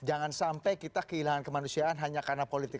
jangan sampai kita kehilangan kemanusiaan hanya karena politik